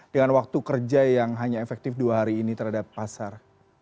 dengan waktu kerja yang hanya efektif dua hari ini terhadap pasar